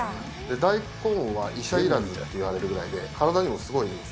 大根は医者いらずって言われるぐらいで、体にもすごいいいんです。